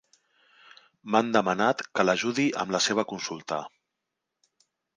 M'han demanat que l'ajudi amb la seva consulta.